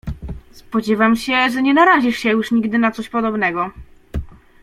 "Spodziewam się, że nie narazisz się już nigdy na coś podobnego."